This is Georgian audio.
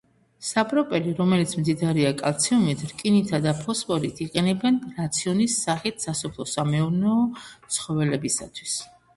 საპროპელი, რომელიც მდიდარია კალციუმით, რკინითა და ფოსფორით იყენებენ რაციონის სახით სასოფლო-სამეურნეო ცხოველებისათვის.